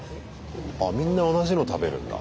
あみんな同じの食べるんだ。